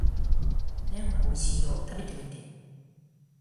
おでんはおいしいよ。食べてみて。